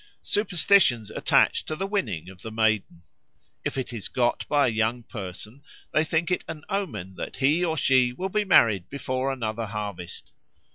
Superstitions attach to the winning of the Maiden. If it is got by a young person, they think it an omen that he or she will be married before another harvest.